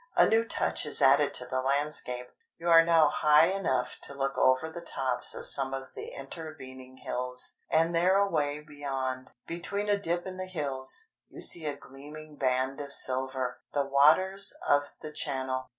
A new touch is added to the landscape. You are now high enough to look over the tops of some of the intervening hills, and there away beyond, between a dip in the hills, you see a gleaming band of silver, the waters of the Channel.